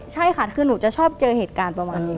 ใช่ค่ะคือหนูจะชอบเจอเหตุการณ์ประมาณนี้